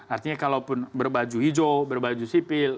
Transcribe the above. artinya kalaupun berbaju hijau berbaju sipil